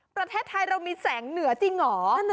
ประเทศไทยเรามีแสงเหนือจริงเหรอ